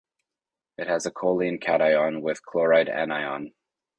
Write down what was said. It has a choline cation with chloride anion.